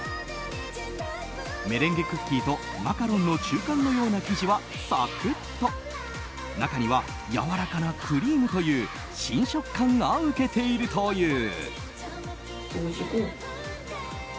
メレンゲクッキーとマカロンの中間のような生地はサクッと中にはやわらかなクリームという新食感がウケているという。